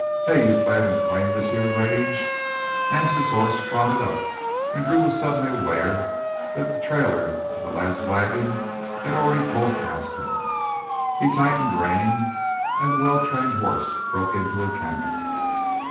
"Hey, you plannin' to claim this here range?" Anse's horse trotted up, and Drew was suddenly aware that the trailer of the last wagon had already pulled past him. He tightened rein, and the well trained horse broke into a canter.